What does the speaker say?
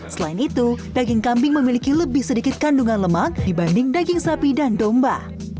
selain itu daging kambing memiliki lebih sedikit kandungan lemak dibanding daging sapi dan domba